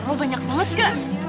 lu pun tahan leiru